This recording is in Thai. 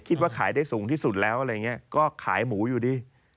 คิดว่าขายได้สูงที่สุดแล้วอะไรอย่างนี้ก็ขายหมูอยู่ดี